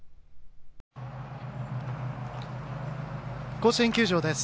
甲子園球場です。